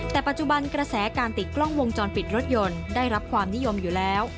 แต่ปัจจุบันกระแสการติดกล้องวงจรปิดรถยนต์ได้รับความนิยมอยู่แล้ว